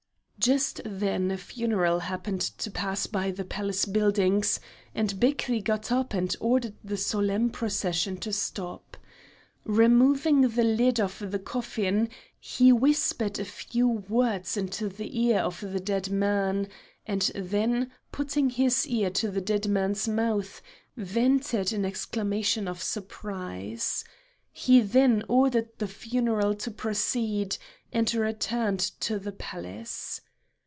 Just then a funeral happened to pass by the Palace buildings, and Bekri got up and ordered the solemn procession to stop. Removing the lid of the coffin, he whispered a few words into the ear of the dead man, and then putting his ear to the dead man's mouth, vented an exclamation of surprise. He then ordered the funeral to proceed, and returned to the Palace.